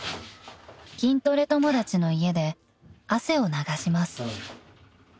［筋トレ友達の家で汗を流します］